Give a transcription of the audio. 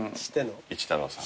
一太郎さん。